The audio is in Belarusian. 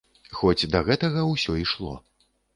Хоць да гэтага ўсё ішло.